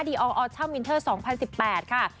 ดิออร์ออร์เช่ามินเทอร์๒๐๑๘ค่ะ